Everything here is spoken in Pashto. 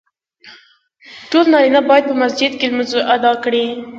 ټولو نارینه باید په مسجد کې لمونځ ادا کړي .